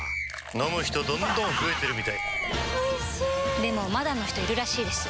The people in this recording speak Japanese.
飲む人どんどん増えてるみたいおいしでもまだの人いるらしいですよ